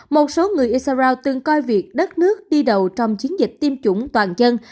một số người israel từng coi việc đất nước đi đầu trong chiến dịch tiêm chủng toàn dân